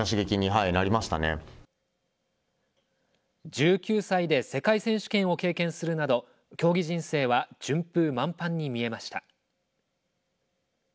１９歳で世界選手権を経験するなど競技人生は順風満帆に見えました。